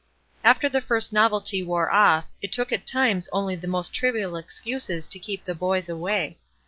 After the first novelty wore off, it took at times only the most trivial excuses to keep the boys away.